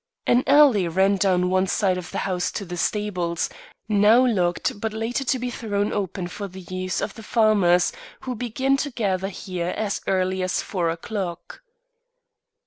An alley ran down one side of the house to the stables, now locked but later to be thrown open for the use of the farmers who begin to gather here as early as four o'clock.